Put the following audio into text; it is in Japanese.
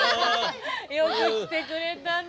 よく来てくれたね。